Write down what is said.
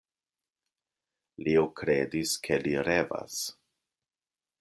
Leo kredis, ke li revas.